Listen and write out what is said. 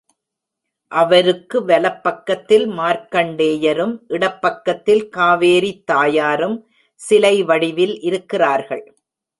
அவருக்கு வலப்பக்கத்தில் மார்க்கண்டேயரும், இடப் பக்கத்தில் காவேரித் தாயாரும் சிலை வடிவில் இருக்கிறார்கள்.